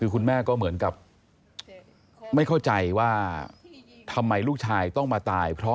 คือคุณแม่ก็เหมือนกับไม่เข้าใจว่าทำไมลูกชายต้องมาตายเพราะ